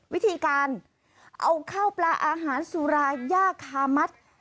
วิธีการเอาข้าวปลาอาหารสุราย่าคามัติ